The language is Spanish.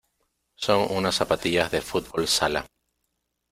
Son unas zapatillas de fútbol sala.